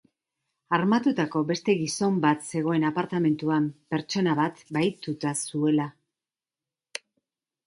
Armatutako beste gizon bat zegoen apartamentuan pertsona bat bahituta zuela.